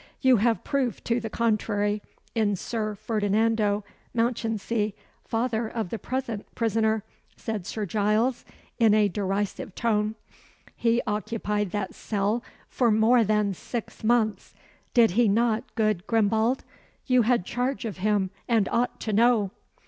"You have proof to the contrary in Sir Ferdinando Mounchensey, father of the present prisoner," said Sir Giles, in a derisive tone. "He occupied that cell for more than six months. Did he not, good Grimbald? You had charge of him, and ought to know?"